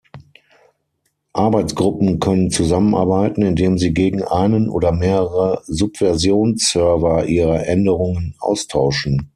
Arbeitsgruppen können zusammenarbeiten, indem sie gegen einen oder mehrere Subversion-Server ihre Änderungen austauschen.